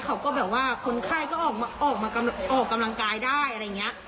เขาก็แบบว่าคนไข้ก็ออกมาออกกำลังกายได้อะไรอย่างนี้